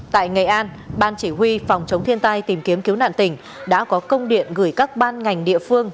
tại nghệ an ban chỉ huy phòng chống thiên tai tìm kiếm cứu nạn tỉnh đã có công điện gửi các ban ngành địa phương